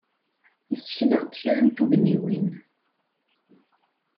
Yessken-aɣ-d kra n tugniwin.